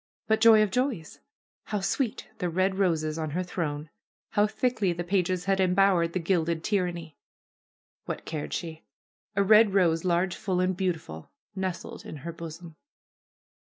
But, joy of joys ! How sweet the red roses on her throne! How thickly the pages had embowered the gilded tyranny ! What cared she ! A red rose, large, full and beautiful, nestled in her bosom.